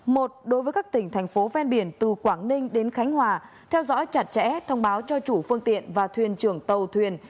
một đối với các tỉnh thành phố ven biển từ quảng ninh đến khánh hòa theo dõi chặt chẽ thông báo cho chủ phương tiện và thuyền trưởng tàu thuyền